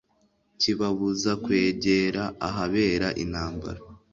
kibabuza kwegera ahabera intambara.